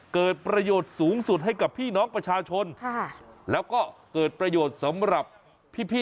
เกิดประโยชน์สูงสุดให้กับพี่น้องประชาชนแล้วก็เกิดประโยชน์สำหรับพี่พี่